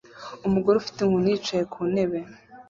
Umugore ufite inkoni yicaye ku ntebe